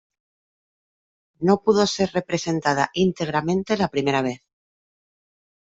No pudo ser representada íntegramente la primera vez.